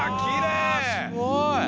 すごい！